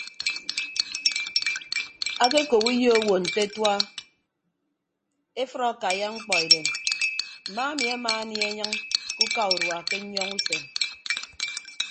Ake okop uyo owo nte atua efʌd akaiya mkpọ edem mma ami ama anie enyịñ ke uka urua ke nyọñọ usen.